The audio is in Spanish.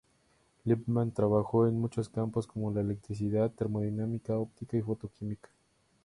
Lippmann trabajó en muchos campos, como la electricidad, termodinámica, óptica y fotoquímica.